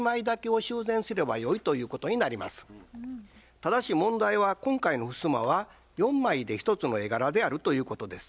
ただし問題は今回のふすまは４枚で１つの絵柄であるということです。